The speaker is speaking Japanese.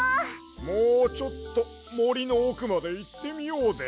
もうちょっともりのおくまでいってみようで。